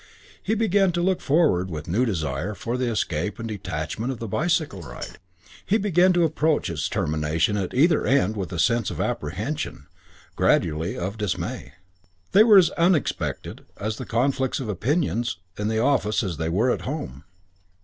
He began to look forward with a new desire for the escape and detachment of the bicycle ride; he began to approach its termination at either end with a sense of apprehension, gradually of dismay. They were as unexpected, the conflicts of opinion, in the office as they were at home.